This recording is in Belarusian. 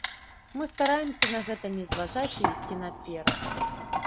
Мы стараемся на гэта не зважаць і ісці наперад.